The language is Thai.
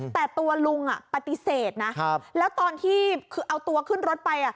แต่ตัวลุงปฏิเสธนะแล้วตอนที่คือเอาตัวขึ้นรถไป